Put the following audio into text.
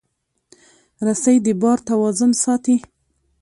رسۍ د بار توازن ساتي.